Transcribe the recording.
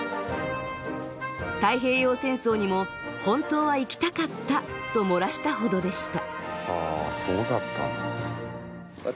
太平洋戦争にも「本当は行きたかった」と漏らしたほどでした。